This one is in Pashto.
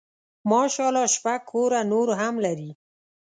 ماشاء الله شپږ کوره نور هم لري.